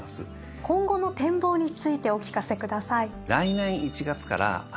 今後の展望についてお聞かせください。